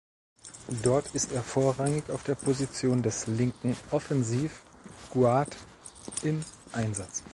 Dort ist er vorrangig auf der Position des linken Offensive Guard im Einsatz.